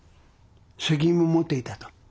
責任も持っていたと。